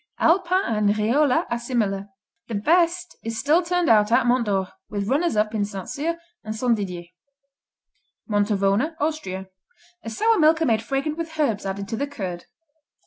Alpin and Riola are similar. The best is still turned out at Mont d'Or, with runners up in St. Cyr and St. Didier. Montavoner Austria A sour milker made fragrant with herbs added to the curd.